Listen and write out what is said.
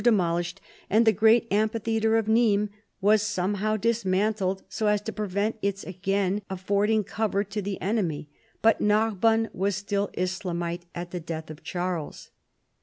59 demolished, and the great amphitheatre of Nismes was somehow dismantled so as to prevent its again affording cover to the enemy, but Narbonne was still Islamite at the death of Charles.